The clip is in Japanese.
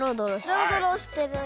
ドロドロしてる！